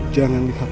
jangan lihat aku